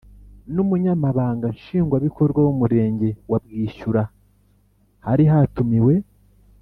n’umunyamabanga nshingwabikorwa w’umurenge wa bwishyura. hari hatumiwe